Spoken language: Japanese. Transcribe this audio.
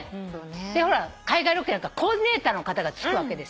ほら海外ロケなんかコーディネーターの方がつくわけです。